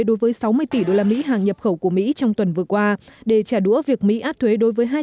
đối với sáu mươi tỷ đô la mỹ hàng nhập khẩu của mỹ trong tuần vừa qua để trả đũa việc mỹ áp thuế đối với